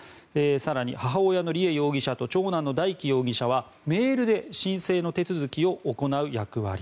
更に、母親の梨恵容疑者と長男の大祈容疑者はメールで申請の手続きを行う役割。